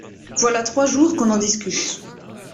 Voilà trois jours qu’on en discute.